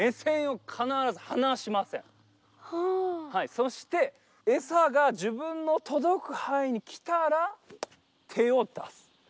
そしてエサが自分のとどくはんいに来たら手を出す！